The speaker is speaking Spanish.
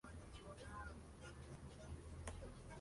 No se destaca la existencia de más restos cerca de la necrópolis.